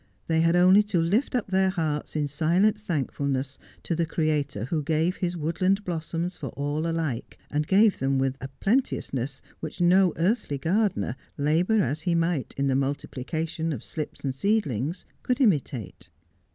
' They had only to lift up their hearts in silent thankfulness to the Creator who gave His woodland blossoms for all alike, and gave them with a plen teousness which no earthly gardener, labour as he might in the multiplication of slips and seedlings, could imitate.